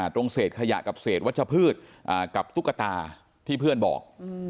ตรงเศษขยะกับเศษวัชพืชกับตุ๊กตาที่เพื่อนบอก